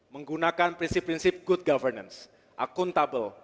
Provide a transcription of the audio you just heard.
menggunakan prinsip prinsip good governance akuntabel